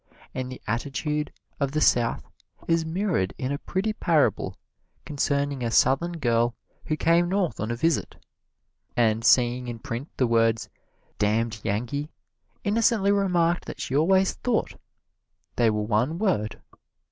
And the attitude of the South is mirrored in a pretty parable concerning a Southern girl who came North on a visit, and seeing in print the words "damned Yankee," innocently remarked that she always thought they were one word.